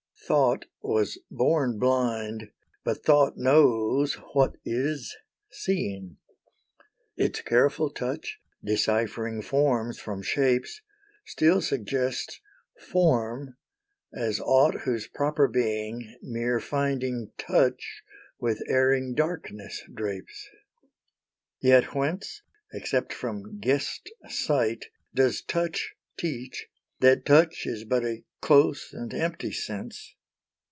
Thought was born blind, but Thought knows what is seeing. Its careful touch, deciphering forms from shapes, Still suggests form as aught whose proper being Mere finding touch with erring darkness drapes. Yet whence, except from guessed sight, does touch teach That touch is but a close and empty sense?